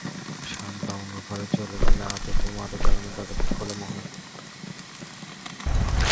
শান্তা অন্য ঘরে চলে গেলে আধো ঘুম, আধো জাগরণে দরজাটি খোলে মোহন।